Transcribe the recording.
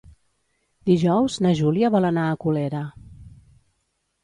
Dijous na Júlia vol anar a Colera.